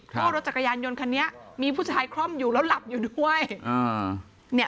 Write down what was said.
เพราะรถจักรยานยนต์คันนี้มีผู้ชายคล่อมอยู่แล้วหลับอยู่ด้วย